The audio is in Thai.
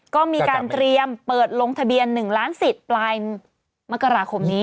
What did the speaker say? ก็มีการเตรียมเปิดลงทะเบียน๑ล้านสิทธิ์ปลายมกราคมนี้